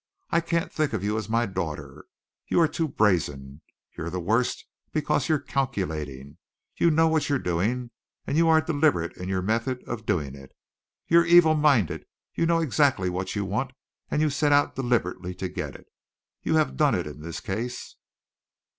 I can't think of you as my daughter you are too brazen. You're the worst because you're calculating. You know what you're doing, and you are deliberate in your method of doing it. You're evil minded. You know exactly what you want and you set out deliberately to get it. You have done it in this case.